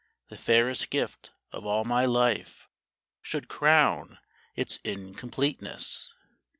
The fairest gift of all my life Should crown its incompleteness